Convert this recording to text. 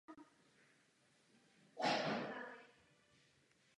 Jednou nastoupil za juniorskou reprezentaci Československa.